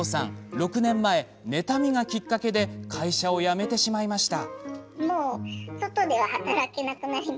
６年前、妬みがきっかけで会社を辞めました。